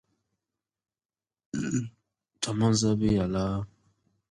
A small crater attached to the north-northeastern rim forms a depression in the side.